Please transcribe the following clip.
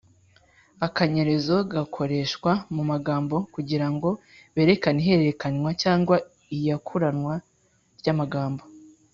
akanyerezo gakoreshwa mu magambo kugira ngo berekane ihererekanywa cyangwa iyakuranwa ry’ amagambo.